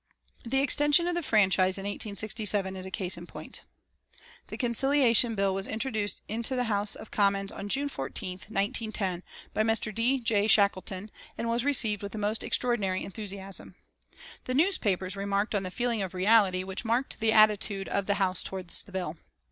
The extension of the franchise in 1867 is a case in point. The Conciliation Bill was introduced into the House of Commons on June 14th, 1910, by Mr. D. J. Shackleton, and was received with the most extraordinary enthusiasm. The newspapers remarked on the feeling of reality which marked the attitude of the House towards the bill.